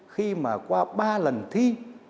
khi mà qua ba lần thi